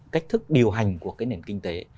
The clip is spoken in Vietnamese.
cách thức điều hành của cái nền kinh tế